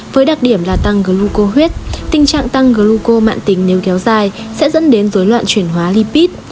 với đặc điểm là tăng gluco huyết tình trạng tăng gluco mạng tính nếu kéo dài sẽ dẫn đến dối loạn chuyển hóa lipid